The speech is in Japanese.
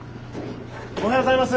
おはようございます。